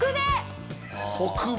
北米！